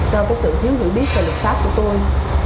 cho có sự hiếu dữ biết về luật pháp của tôi